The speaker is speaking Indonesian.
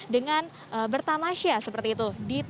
di sini banyak sekali pengunjung